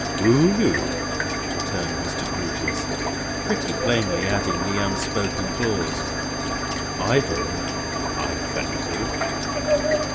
"Do you?" returned Mr. Grewgious, pretty plainly adding the unspoken clause: "I don't, I thank you!"